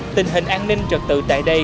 tình hình an ninh trật tự tại đây